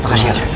ya makasih ya